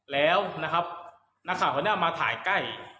แล้วนะครับนักข่าวคนนี้มาถ่ายใกล้